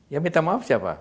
yang minta maaf siapa